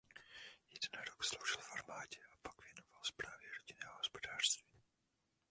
Jeden rok sloužil v armádě a pak se věnoval správě rodinného hospodářství.